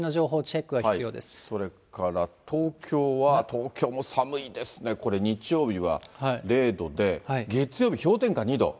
それから東京は、東京も寒いですね、これ、日曜日は０度で、月曜日氷点下２度。